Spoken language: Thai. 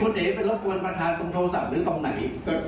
คุณเอ๋ไปรบกวนประธานตรงโทรศัพท์หรือตรงไหน